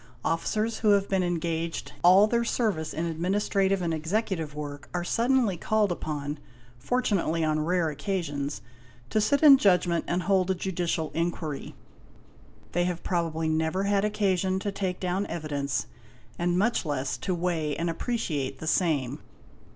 Officers, who have been engaged all their service in administrative and executive work, are suddenly called upon, fortunately on rare occasions, to sit in judgment and hold a judicial inquiry. They have probably never had occasion to take down evidence, and much less to weigh and appreciate the same.